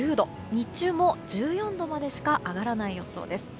日中も１４度までしか上がらない予想です。